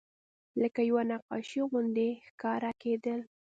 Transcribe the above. لکه یوه نقاشي غوندې ښکاره کېدل.